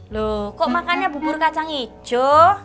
loh kok makannya bubur kacang hijau